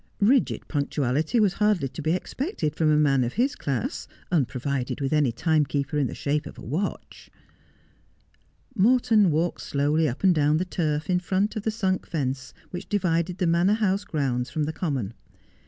Bigid punctuality was hardly to be expected from a man of his class, unprovided with any timekeeper in the shape of a watch. Morton walked slowly up and down the turf in front of the sunk fence which divided the Manor House grounds from the common.